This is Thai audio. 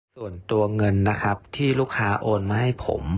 ส่วนตัวเงินนะครับที่ลูกค้าโอนมาให้ผม